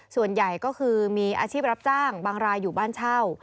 ส่วนใหญ่ก็คือมีอาชีพรับจ้างบางรายอยู่บ้านเช่า